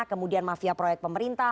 kemudian mafia proyek pemerintah